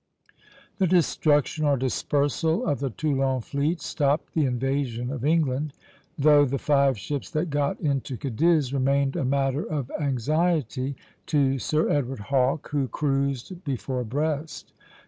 The destruction or dispersal of the Toulon fleet stopped the invasion of England, though the five ships that got into Cadiz remained a matter of anxiety to Sir Edward Hawke, who cruised before Brest.